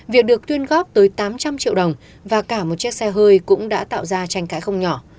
việc được tuyên góp tới tám trăm linh triệu đồng và cả một chiếc xe hơi cũng đã tạo ra tranh cãi không nhỏ